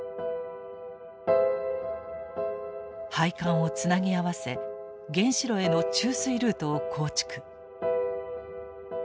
配管をつなぎ合わせ原子炉への注水ルートを構築。